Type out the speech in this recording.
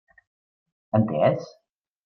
Entès?